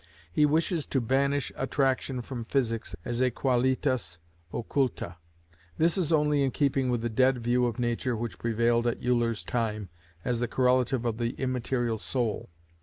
He wishes to banish attraction from physics as a qualitas occulta. This is only in keeping with the dead view of nature which prevailed at Euler's time as the correlative of the immaterial soul.